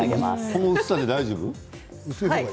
この薄さで大丈夫？